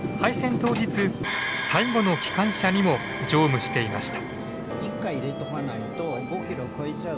当日最後の機関車にも乗務していました。